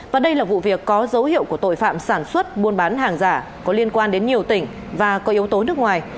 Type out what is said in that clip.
và đây là vụ việc có dấu hiệu của tội phạm sản xuất buôn bán hàng giả có liên quan đến nhiều tỉnh và có yếu tố nước ngoài